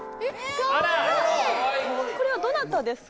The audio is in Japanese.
これはどなたですか？